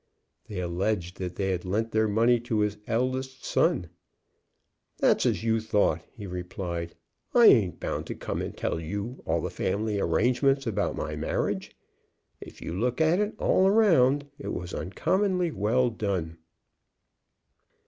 They alleged that they had lent their money to his eldest son. 'That's as you thought,' he replied. 'I ain't bound to come and tell you all the family arrangements about my marriage.' If you look at it all round it was uncommonly well done."